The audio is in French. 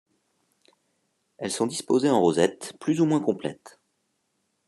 Elles sont disposées en rosette plus ou moins complète.